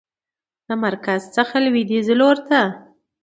د مرکز څخه لویدیځ لورته